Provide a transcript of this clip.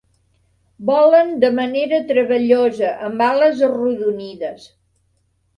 Volen de manera treballosa amb ales arrodonides.